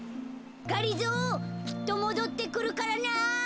がりぞーきっともどってくるからな。